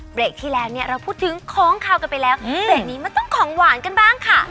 เบรกที่แล้วเนี่ยเราพูดถึงของขาวกันไปแล้วเบรกนี้มันต้องของหวานกันบ้างค่ะ